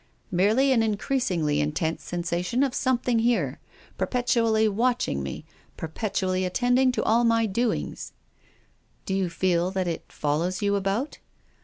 " "Merely an increasingly intense sensation of something here, perpetually watching mc, per petually attending to all my doings." " Do you feel that it follows you about?"